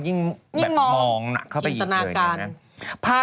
แล้วฉันเคยบอกเอเลเซ็นเซอร์ไป